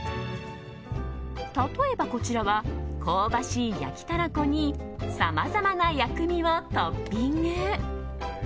例えば、こちらは香ばしい焼きたらこにさまざまな薬味をトッピング。